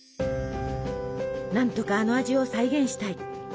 何とかあの味を再現したい。